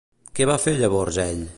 Què va fer llavors ell?